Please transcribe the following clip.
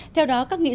theo đó các nghị sách